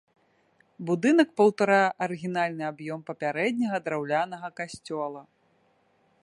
Будынак паўтарае арыгінальны аб'ём папярэдняга драўлянага касцёла.